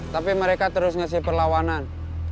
tapi mereka terus ngasih perlawanan